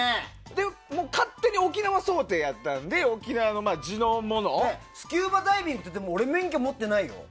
勝手に沖縄想定やったのでスキューバダイビングって俺、免許持ってないよ。